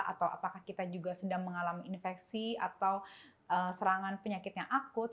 atau apakah kita juga sedang mengalami infeksi atau serangan penyakit yang akut